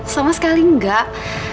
sama sekali enggak